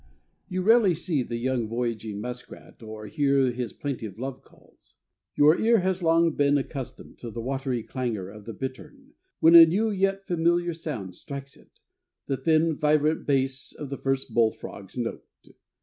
You rarely see the voyaging muskrat or hear his plaintive love calls. Your ear has long been accustomed to the watery clangor of the bittern, when a new yet familiar sound strikes it, the thin, vibrant bass of the first bullfrog's note.